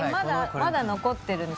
まだ残ってるんです